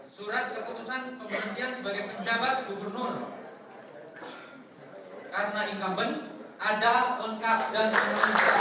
surat keputusan pemerintian sebagai pencabat gubernur karena incumbent ada lengkap dan menentukan